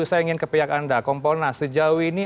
saya ingin ke pihak anda kompolnas sejauh ini